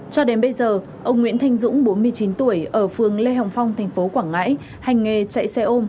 cho đến bây giờ ông nguyễn thanh dũng bốn mươi chín tuổi ở phường lê hồng phong tp quảng ngãi